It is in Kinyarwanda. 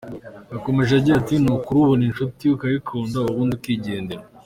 Yakomeje agira ati: “Ni ukuri ubona inshuti ukayikunda, ubundi ukigendera.